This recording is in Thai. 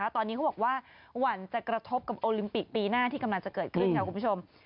ตอนนี้เขาบอกว่าหวั่นจะกระทบกับโอลิมปิกปีหน้าที่กำลังจะเกิดขึ้นค่ะคุณผู้ชม